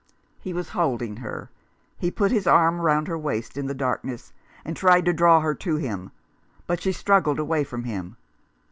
He was holding her ; he put his arm round her waist in the darkness, and tried to draw her to him, but she struggled away from him.